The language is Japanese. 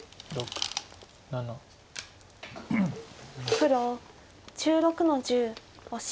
黒１６の十オシ。